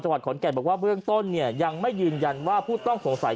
วัดขอนแก่นบอกว่าเบื้องต้นเนี่ยยังไม่ยืนยันว่าผู้ต้องสงสัย